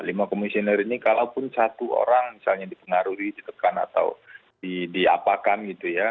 lima komisioner ini kalaupun satu orang misalnya dipengaruhi ditekan atau diapakan gitu ya